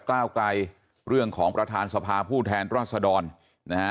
ก้าวไกลเรื่องของประธานสภาผู้แทนรัศดรนะฮะ